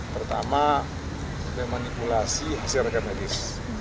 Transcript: pertama memanipulasi hasil rekan medis